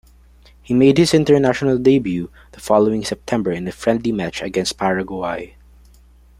He made his international debut the following September in a friendly match against Paraguay.